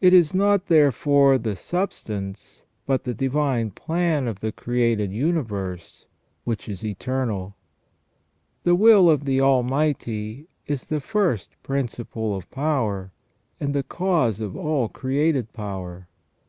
It is not, therefore, the substance, but the divine plan of the created universe which is eternal. The will of the Almighty is the first principle of power, and the cause of all created power.